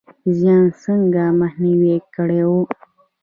زیان څنګه مخنیوی کړو؟